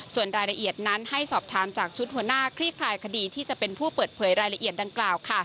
ส่วนรายละเอียดนั้นให้สอบถามจากชุดหัวหน้าคลี่คลายคดีที่จะเป็นผู้เปิดเผยรายละเอียดดังกล่าว